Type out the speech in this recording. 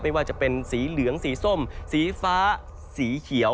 ไม่ว่าจะเป็นสีเหลืองสีส้มสีฟ้าสีเขียว